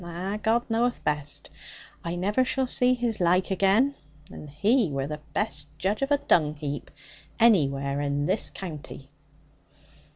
Ah, God knoweth best. I never shall zee his laike again. And he were the best judge of a dung heap anywhere in this county.'